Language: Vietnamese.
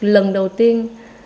lần đầu tiên